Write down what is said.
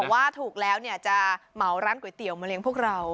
ว่าถูกแล้วเนี่ยจะเหมาร้านก๋วยเตี๋ยวมาเลี้ยงพวกเรา